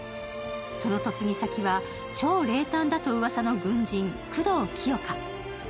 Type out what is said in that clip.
その嫁ぎ先は、超冷淡だとうわさの軍人、久堂清霞。